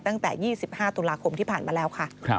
ตั้งแต่๒๕ตุลาคมที่ผ่านมาแล้วค่ะ